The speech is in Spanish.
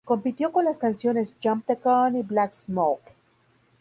Compitió con las canciones "Jump The Gun" y "Black Smoke".